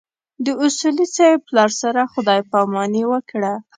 د اصولي صیب پلار سره خدای ج پاماني وکړه.